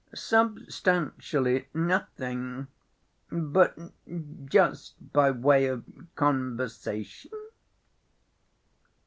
"Substantially nothing—but just by way of conversation."